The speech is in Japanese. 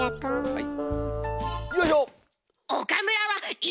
はい。